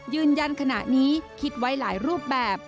ยืนยันขณะนี้คิดไว้หลายรูปแบบ